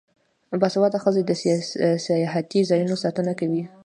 باسواده ښځې د سیاحتي ځایونو ساتنه کوي.